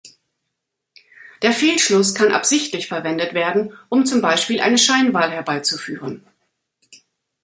Der Fehlschluss kann absichtlich verwendet werden, um zum Beispiel eine Scheinwahl herbeizuführen.